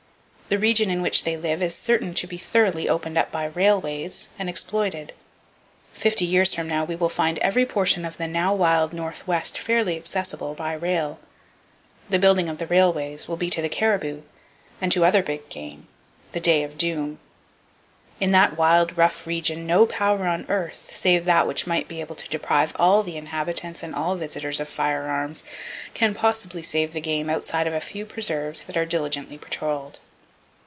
The region in which they live is certain to be thoroughly opened up by railways, and exploited. Fifty years from now we will find every portion of the now wild Northwest fairly accessible by rail. The building of the railways will be to the caribou—and to other big game—the day of doom. In that wild, rough region, no power on earth,—save that which might be able to deprive all the inhabitants and all visitors of firearms,—can possibly save the game outside of a few preserves that are diligently patroled.